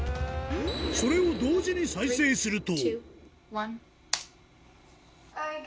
それを同時に再生すると。